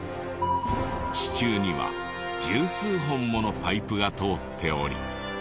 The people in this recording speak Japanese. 地中には十数本ものパイプが通っており。